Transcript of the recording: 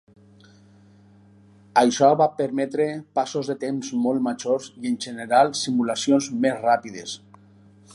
Això va permetre passos de temps molt majors i en general simulacions més ràpides.